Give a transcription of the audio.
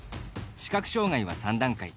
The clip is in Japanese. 視覚障がいは３段階。